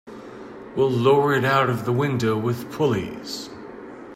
We'll lower it out of the window with pulleys.